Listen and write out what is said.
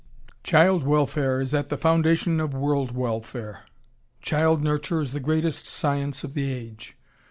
Child Welfare is at the foundation of world welfare. Child nurture is the greatest science of the age.